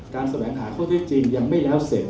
แสวงหาข้อเท็จจริงยังไม่แล้วเสร็จ